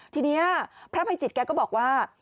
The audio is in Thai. ทีนี้พระภัยจิตแกก็บอกว่า